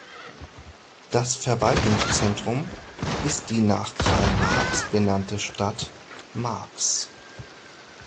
Das Verwaltungszentrum ist die nach Karl Marx benannte Stadt Marx.